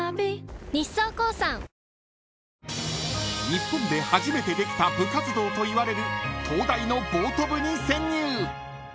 ［日本で初めてできた部活動といわれる東大のボート部に潜入］